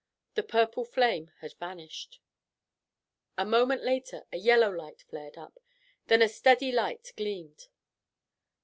The purple flame had vanished. A moment later a yellow light flared up. Then a steady light gleamed.